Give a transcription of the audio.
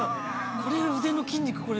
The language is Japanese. これ腕の筋肉これで。